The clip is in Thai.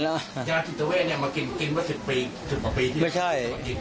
ไม่ใช่